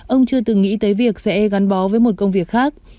ông chưa từng nghĩ tới việc sẽ gắn bó với một công việc khác